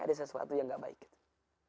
ada sesuatu yang enggak baik